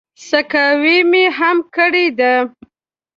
سقاوي مې هم کړې ده.